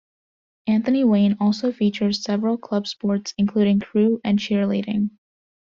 Anthony Wayne also features several Club Sports including Crew and Cheerleading.